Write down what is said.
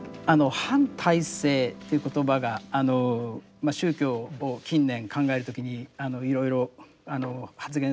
反体制という言葉があの宗教を近年考える時にいろいろ発言